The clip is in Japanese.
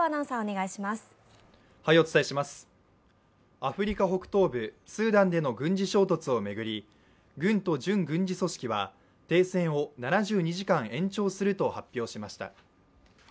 アフリカ北東部、スーダンでの軍事衝突を巡り軍と準軍事組織は停戦を７２時間延長すると発表しました。